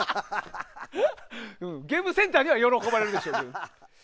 ゲームセンターには喜ばれるでしょうけど。